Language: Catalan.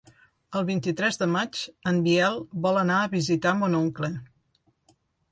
El vint-i-tres de maig en Biel vol anar a visitar mon oncle.